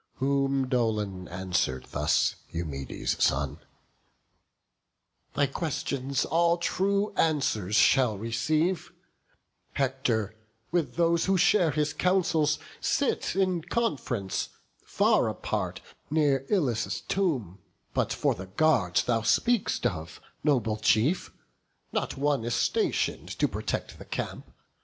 Whom Dolon answer'd thus, Eumedes' son: "Thy questions all true answers shall receive; Hector, with those who share his counsels, sits In conf'rence, far apart, near Ilus' tomb; But for the guards thou speak'st of, noble chief, Not one is station'd to protect the camp.